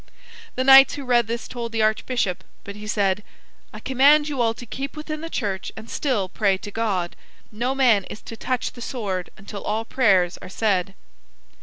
The knights who read this told the archbishop, but he said: "I command you all to keep within the church and still pray to God. No man is to touch the sword until all the prayers are said."